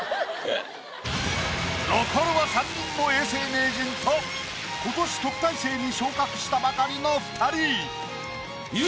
残るは３人の永世名人と今年特待生に昇格したばかりの２人。